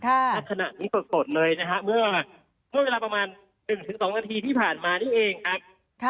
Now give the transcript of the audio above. ทรัพย์นั้นนี้สดเลยนะครับเมื่อเวลาประมาณ๑๒นาทีที่ผ่านมานี้เองครับ